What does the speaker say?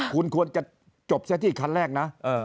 คุณควรจะจบซะที่คันแรกนะ